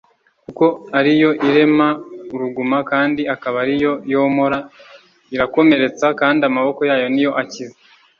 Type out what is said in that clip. kuko ari yo irema uruguma, kandi akaba ari yo yomora, irakomeretsa, kandi amaboko yayo ni yo akiza